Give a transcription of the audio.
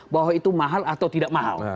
bahwa itu mahal atau tidak mahal